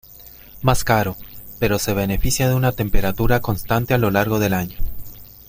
Más caro, pero se beneficia de una temperatura constante a lo largo del año.